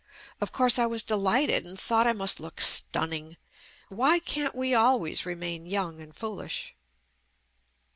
Of course, I was delighted and thought I must look "stunning." Why can't we always remain young and fool ish?